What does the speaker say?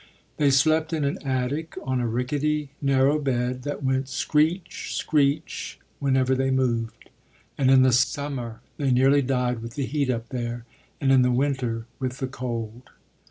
They slept in an attic on a rickety, narrow bed, that went screech! screech! whenever they moved. And, in the summer, they nearly died with the heat up there; and in the winter with the cold.